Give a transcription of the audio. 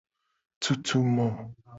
Tutu mo.